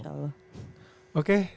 insya allah oke